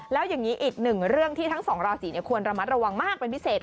แล้วอย่างนี้อีกหนึ่งเรื่องที่ทั้งสองราศีควรระมัดระวังมากเป็นพิเศษ